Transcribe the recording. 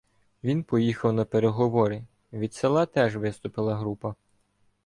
Він поїхав на переговори, від села теж виступила група.